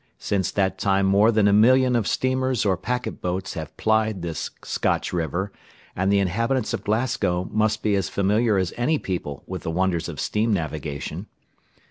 Since that time more than a million of steamers or packet boats have plied this Scotch river, and the inhabitants of Glasgow must be as familiar as any people with the wonders of steam navigation.